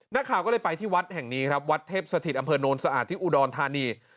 นักข่าวก็เลยไปที่วัดแห่งนี้ครับวัดเทพสถิตอำเภอโนนสะอาดที่อุดรธานี